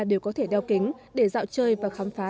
đều có thể đeo kính để dạo chơi và khám phá